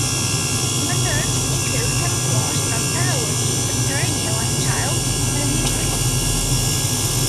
Methods include camouflage, nocturnality, subterranean lifestyle, and mimicry.